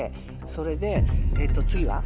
それで次は？